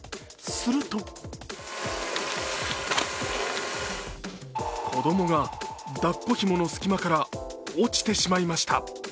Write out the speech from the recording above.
すると子供が抱っこひもの隙間から落ちてしまいました。